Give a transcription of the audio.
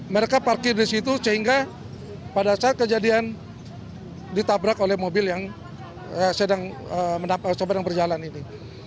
mereka parkir di situ sehingga pada saat kejadian ditabrak oleh mobil yang sedang berjalan ini